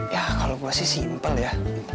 ya kalau gue sih simpel ya